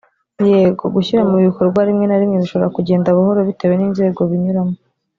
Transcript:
yego gushyira mu bikorwa rimwe na rimwe bishobora kugenda buhoro bitewe n’inzego binyuramo